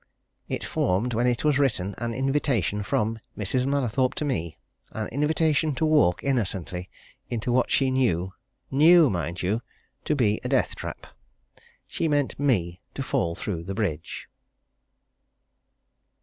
It formed, when it was written, an invitation from Mrs. Mallathorpe to me an invitation to walk, innocently, into what she knew knew, mind you! to be a death trap! She meant me to fall through the bridge!"